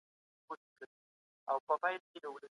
ايا حضوري زده کړه د دوامداره ګډون غوښتنه کوي؟